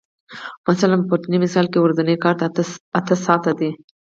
مثلاً په پورتني مثال کې ورځنی کار اته ساعته دی